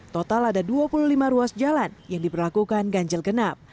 total ada dua puluh lima ruas jalan yang diperlakukan ganjil genap